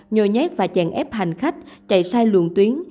nhồi nhét và chèn ép hành khách chạy sai luồng tuyến